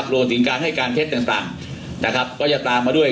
โรงสินค้าให้การเท็จต่างก็จะตามมาด้วย